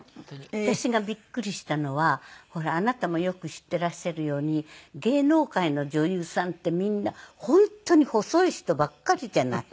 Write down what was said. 私がびっくりしたのはほらあなたもよく知っていらっしゃるように芸能界の女優さんってみんな本当に細い人ばっかりじゃないあの頃は特に。